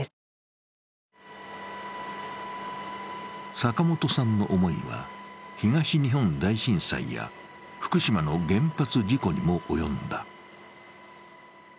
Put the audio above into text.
坂本さんの思いは東日本大震災や福島の原発事故にも及んだ。